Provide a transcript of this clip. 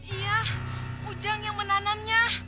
iya ujang yang menanamnya